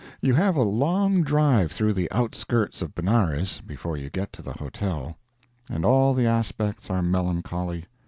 You have a long drive through the outskirts of Benares before you get to the hotel. And all the aspects are melancholy.